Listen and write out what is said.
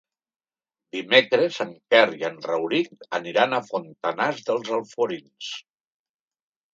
Dimecres en Quer i en Rauric aniran a Fontanars dels Alforins.